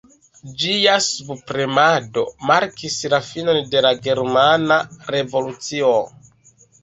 Ĝia subpremado markis la finon de la Germana Revolucio.